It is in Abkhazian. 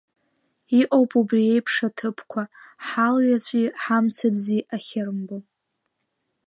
Иҟоуп убри еиԥш аҭыԥқәа, ҳалҩаҵәи ҳамцабзи ахьырымбо.